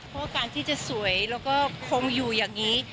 เพราะการที่จะสวยแล้วก็คงอยู่อย่างนี้